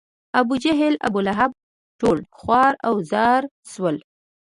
ابوجهل، ابولهب ټول خوار و زار شول.